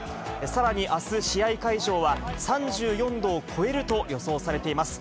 さらにあす、試合会場は３４度を超えると予想されています。